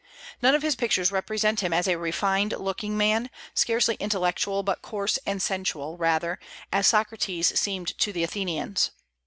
None of his pictures represent him as a refined looking man, scarcely intellectual, but coarse and sensual rather, as Socrates seemed to the Athenians.